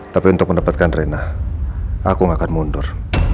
tapi untuk mendapatkan reina aku gak akan mundur